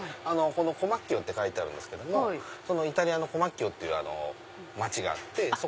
コマッキオって書いてあるんですけどイタリアのコマッキオっていう街があって。